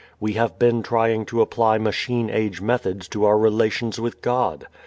We have been trying to apply machine age methods to our relations with God.